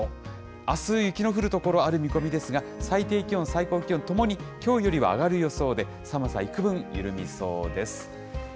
あす、雪の降る所ある見込みですが、最低気温、最高気温ともにきょうよりは上がる予想で、寒さ、いくぶん緩みそうです。